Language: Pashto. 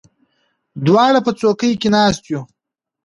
دواړه په څوکۍ کې ناست یو.